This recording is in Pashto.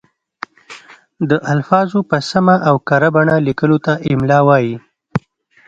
د الفاظو په سمه او کره بڼه لیکلو ته املاء وايي.